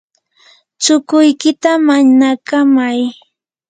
chukuykita manakamay.